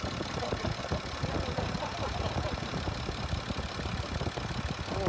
ありがとうございますああ